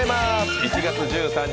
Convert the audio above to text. １月１３日